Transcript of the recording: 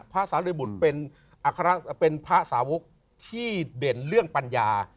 สาริบุตรเป็นอัคระเป็นพระสาวกที่เด่นเรื่องปัญญา